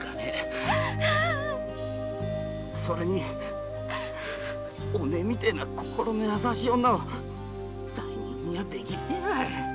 それにお前みてえな心の優しい女を罪人には出来ねえ。